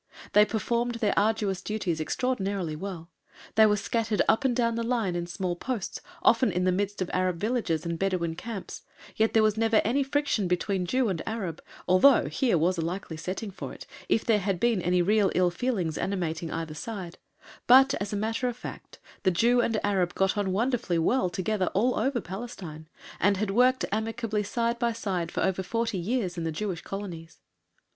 They performed their arduous duties extraordinarily well. They were scattered up and down the line in small posts, often in the midst of Arab villages and Bedouin camps, yet there was never any friction between Jew and Arab, although here was a likely setting for it, if there had been any real ill feelings animating either side; but, as a matter of fact, the Jew and Arab got on wonderfully well together all over Palestine, and had worked amicably side by side for over forty years in the Jewish colonies.